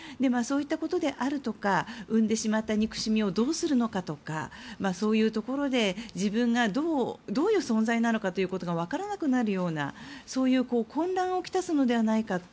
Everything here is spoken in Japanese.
そういったことであるとか生んでしまった憎しみをどうするのかとかそういうところで自分がどういう存在なのかということが分からなくなるような混乱をきたすのではないか。